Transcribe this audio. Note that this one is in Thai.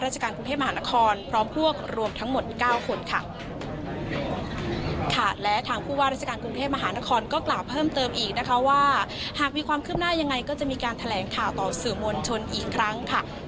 หากมีความขึ้นหน้ายังไงก็จะมีการแถลงข่าวต่อสื่อมวลชนอีกครั้งค่ะ